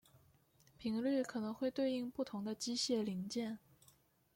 频率可能会对应不同的机械零件。